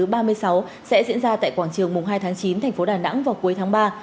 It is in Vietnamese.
sẽ diễn ra tại quảng trường mùng hai tháng chín thành phố đà nẵng vào cuối tháng ba